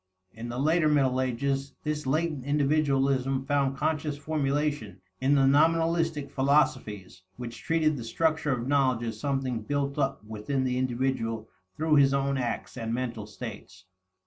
In the later Middle Ages, this latent individualism found conscious formulation in the nominalistic philosophies, which treated the structure of knowledge as something built up within the individual through his own acts, and mental states.